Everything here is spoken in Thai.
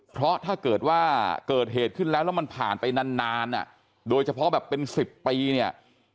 เพราะถ้าเกิดว่าเกิดเหตุขึ้นแล้วแล้วมันผ่านไปนานนานอ่ะโดยเฉพาะแบบเป็น๑๐ปีเนี่ย